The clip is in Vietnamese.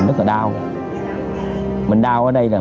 không có tâm lòng để đứng mắt luôn